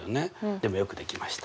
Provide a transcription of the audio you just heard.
でもよくできました。